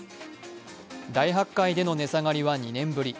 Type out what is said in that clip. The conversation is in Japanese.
大発会での値下がりは２年ぶり。